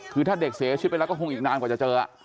คือถ้าเด็กเสียชีวิตไปแล้วก็คงอีกนานกว่าจะเจอ